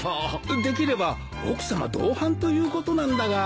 できれば奥さま同伴ということなんだが。